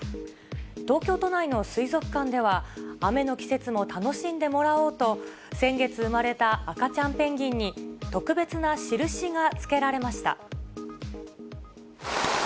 東京都内の水族館では、雨の季節も楽しんでもらおうと、先月生まれた赤ちゃんペンギンに、特別な印が付けられました。